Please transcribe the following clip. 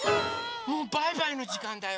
もうバイバイのじかんだよ。